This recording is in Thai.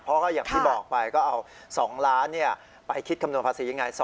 เพราะก็อย่างที่บอกไปก็เอา๒ล้านไปคิดคำนวณภาษียังไง